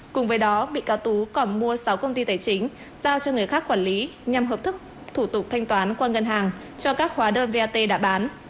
cùng với đó bị cáo tú còn mua sáu công ty tài chính giao cho người khác quản lý nhằm hợp thức thủ tục thanh toán qua ngân hàng cho các hóa đơn vat đã bán